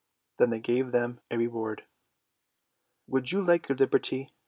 Then they gave them a reward. " Would you like your liberty?